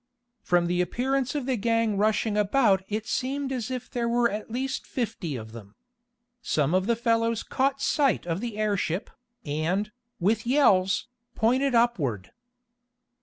From the appearance of the gang rushing about it seemed as if there were at least fifty of them. Some of the fellows caught sight of the airship, and, with yells, pointed upward.